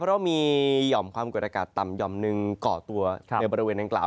เพราะมีหย่อมความกดอากาศต่ำหย่อมหนึ่งก่อตัวในบริเวณดังกล่าว